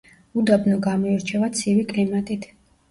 უდაბნო გამოირჩევა ცივი კლიმატით.